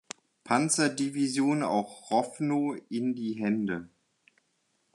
Panzer-Division auch Rowno in die Hände.